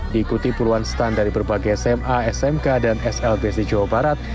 diikuti puluhan stand dari berbagai sma smk dan smk